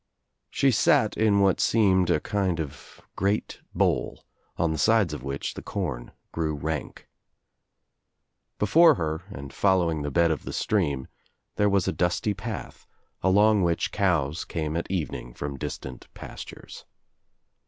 She sat in what seemed a kind of great bowl on the sides of which the corn grew rank. Before her and following the bed of the stream there was a dusty path along which cows came at evening from distant pastures.